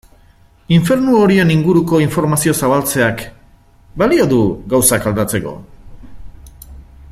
Infernu horien inguruko informazioa zabaltzeak balio du gauzak aldatzeko?